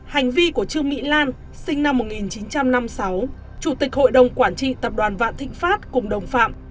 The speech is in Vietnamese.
hành vi của trương mỹ lan sinh năm một nghìn chín trăm năm mươi sáu chủ tịch hội đồng quản trị tập đoàn vạn thịnh pháp cùng đồng phạm